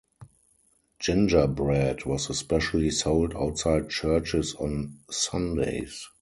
Gingerbread was especially sold outside churches on Sundays.